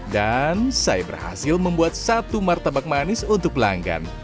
dan saya berhasil membuat satu martabak manis untuk pelanggan